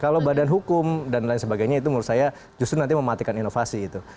kalau badan hukum dan lain sebagainya itu menurut saya justru nanti mematikan inovasi itu